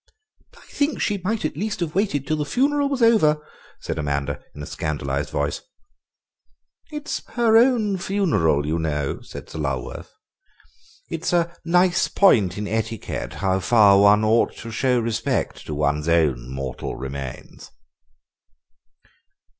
"I think she might at least have waited till the funeral was over," said Amanda in a scandalised voice. "It's her own funeral, you know," said Sir Lulworth; "it's a nice point in etiquette how far one ought to show respect to one's own mortal remains."